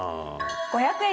５００円」